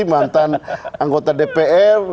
mantan anggota dpr